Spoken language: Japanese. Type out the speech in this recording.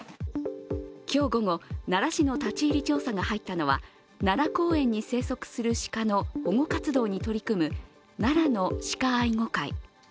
今日午後、奈良市の立ち入り調査が入ったのは奈良公園に生息する鹿の保護活動に取り組む奈良の鹿愛護会。